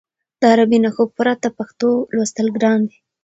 د عربي نښو پرته پښتو لوستل ګران دي.